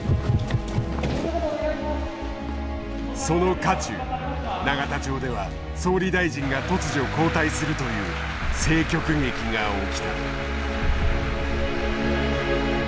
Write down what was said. その渦中永田町では総理大臣が突如交代するという政局劇が起きた。